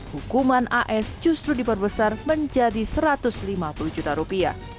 hukuman as justru diperbesar menjadi satu ratus lima puluh juta rupiah